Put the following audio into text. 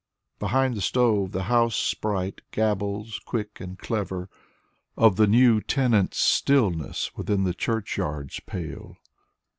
..; Behind the stove the house sprite gabbles, quick and clever, Of the new tenant's stillness within the churchyard's pale.